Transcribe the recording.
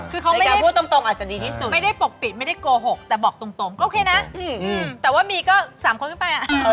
คือเขาไม่ได้ปกปิดไม่ได้โกหกแต่บอกตรงก็โอเคนะแต่ว่ามีก็๓คนขึ้นไปอะ